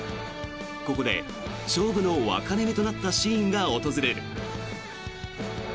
ここで勝負の分かれ目となったシーンが訪れる。